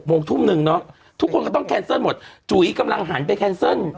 โมงทุ่มหนึ่งเนาะทุกคนก็ต้องแคนเซิลหมดจุ๋ยกำลังหันไปแคนเซิล